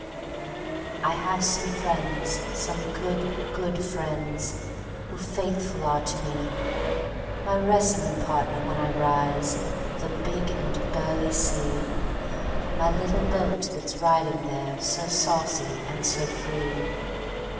I have some friends, some good, good friends, Who faithful are to me: My wrestling partner when I rise, The big and burly sea; My little boat that's riding there So saucy and so free.